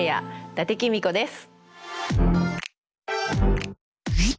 伊達公子です。